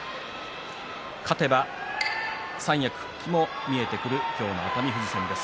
勝てば三役復帰も見えてくる今日の熱海富士戦です。